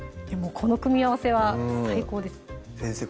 この組み合わせは最高です先生